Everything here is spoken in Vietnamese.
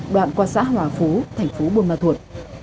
đoạn qua xã hòa phú thành phố buôn ma thuột